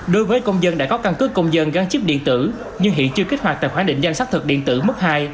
đối với công dân đã có căn cứ công dân gắn chip điện tử nhưng hiện chưa kích hoạt tài khoản định danh xác thực điện tử mức hai